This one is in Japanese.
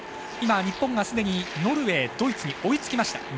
日本がすでにノルウェードイツに追いつきました。